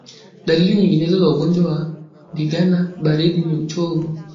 Dalili nyinginezo za ugonjwa wa ndigana baridi ni uchovu